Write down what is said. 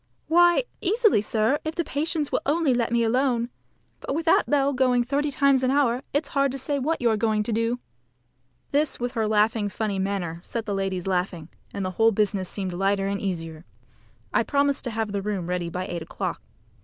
"Why, easily, sir, if the patients will only let me alone. But with that bell going thirty times an hour, it's hard to say what you are going to do." This with her funny manner set the ladies laughing, and the whole business seemed lighter and easier. I promised to have the room ready by eight o'clock.